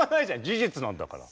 事実なんだから。